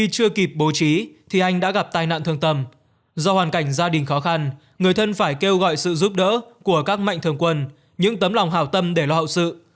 do hoàn cảnh gia đình khó khăn người thân phải kêu gọi sự giúp đỡ của các mạnh thường quân những tấm lòng hào tâm để lo hậu sự